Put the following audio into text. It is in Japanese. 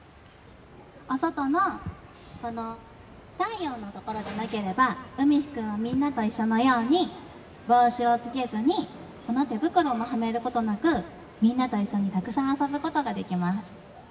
お外の太陽の所でなければ、海陽くんは、みんなと一緒のように帽子をつけずに、この手袋もはめることなく、みんなと一緒にたくさん遊ぶことができます。